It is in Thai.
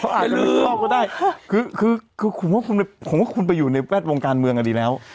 ไม่ลืมก็ได้คือคือคือคุณว่าคุณผมว่าคุณไปอยู่ในแวดวงการเมืองน่ะดีแล้ว